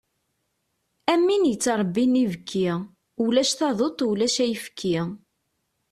Am win yettrebbin ibki, ulac taduṭ ulac ayefki.